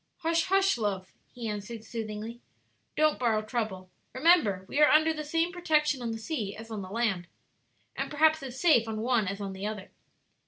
"Hush, hush, love," he answered, soothingly; "don't borrow trouble; remember we are under the same protection on the sea as on the land, and perhaps as safe on one as on the other."